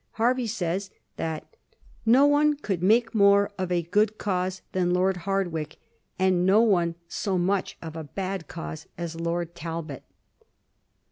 Hervey says that '^ no one could make more of a good cause than Lord Hard wicke, and no one so much of a bad cause as Lord Tal bot."